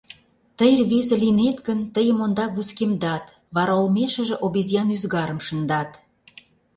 — Тый рвезе лийнет гын, тыйым ондак вускемдат, вара олмешыже обезьян ӱзгарым шындат...